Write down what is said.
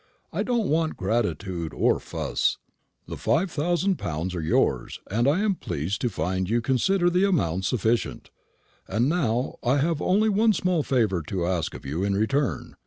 I don't want gratitude or fuss. The five thousand pounds are yours, and I am pleased to find you consider the amount sufficient. And now I have only one small favour to ask of you in return."